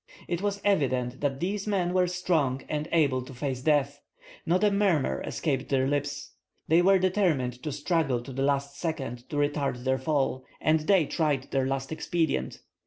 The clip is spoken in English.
It was evident that these men were strong and able to face death. Not a murmur escaped their lips. They were determined to struggle to the last second to retard their fall, and they tried their last expedient.